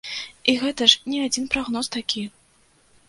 І гэта ж не адзін прагноз такі!